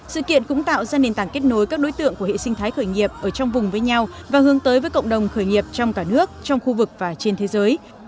sự kiện cũng tạo ra nền tảng kết nối các đối tượng của hệ sinh thái khởi nghiệp ở trong vùng với nhau và hướng tới với cộng đồng khởi nghiệp trong cả nước trong khu vực và trên thế giới